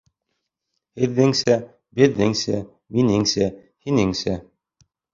Һеҙҙеңсә, беҙҙеңсә, минеңсә, һинеңсә